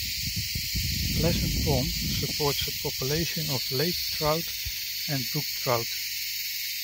Pleasant Pond supports a population of lake trout and brook trout.